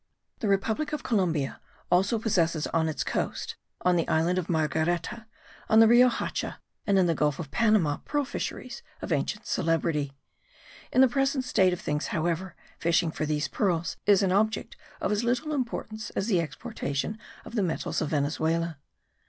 The republic of Columbia also possesses on its coast, on the island of Marguerita, on the Rio Hacha and in the gulf of Panama pearl fisheries of ancient celebrity. In the present state of things, however, fishing for these pearls is an object of as little importance as the exportation of the metals of Venezuela.